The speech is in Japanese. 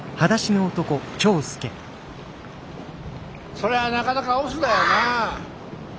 そりゃなかなか押忍だよなぁ。